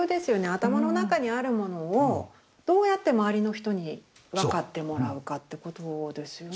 頭の中にあるものをどうやって周りの人に分かってもらうかってことですよね。